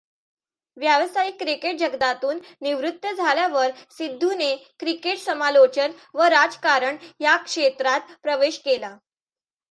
व्यावसायिक क्रिकेटजगतातून निवृत्त झाल्यावर सिद्धूने क्रिकेट समालोचन व राजकारण या क्षेत्रांत प्रवेश केला.